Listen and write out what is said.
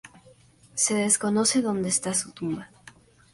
Se desconoce dónde está su tumba.